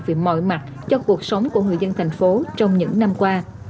về mọi mặt cho cuộc sống của người dân thành phố trong những năm qua